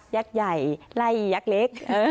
ักษ์ใหญ่ไล่ยักษ์เล็ก